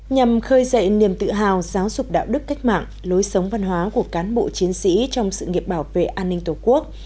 nhằm khơi dậy niềm tự hào giáo dục đạo đức cách mạng lối sống văn hóa của cán bộ chiến sĩ trong sự nghiệp bảo vệ an ninh tổ quốc